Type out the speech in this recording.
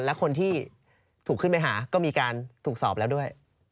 และคนที่ถูกขึ้นไปหาก็มีการถูกสอบแล้วด้วย